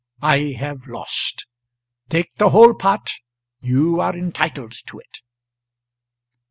I have lost. Take the whole pot, you are entitled to it."